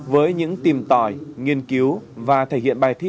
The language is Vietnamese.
với những tìm tỏi nghiên cứu và thể hiện bài thi